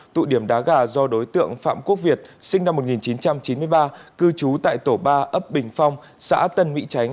tụ điểm đá gà do đối tượng phạm quốc việt sinh năm một nghìn chín trăm chín mươi ba cư trú tại tổ ba ấp bình phong xã tân mỹ chánh